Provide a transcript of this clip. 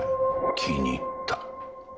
気に入った